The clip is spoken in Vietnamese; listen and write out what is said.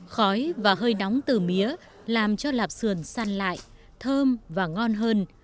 khói và hơi nóng từ mía làm cho lạp sườn săn lại thơm và ngon hơn